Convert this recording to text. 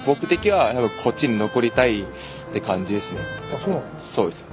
あっそうなんですか？